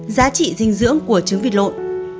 giá trị dinh dưỡng của trứng vịt lộn